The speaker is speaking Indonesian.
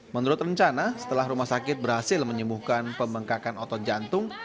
menurut rencana setelah rumah sakit berhasil menyembuhkan pembengkakan otot jantung